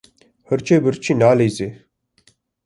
Hirçê birçî nalîze.